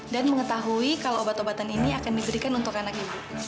dan mengetahui kalau obat obatan ini akan diberikan untuk anak ibu